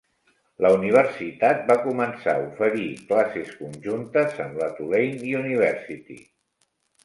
La universitat va començar a oferir classes conjuntes amb la Tulane University.